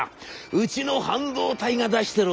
うちの半導体が出してる音だよ。